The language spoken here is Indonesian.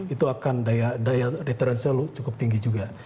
itu akan daya deteransinya cukup tinggi juga